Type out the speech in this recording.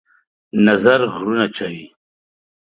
نظر غرونه چوي